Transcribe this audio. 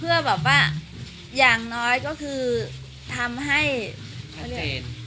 เพื่อแบบว่าอย่างน้อยก็คือทำให้เขาเรียก